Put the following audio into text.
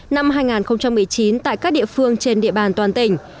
năm hai nghìn một mươi chín tại các địa phương trên địa bàn toàn tỉnh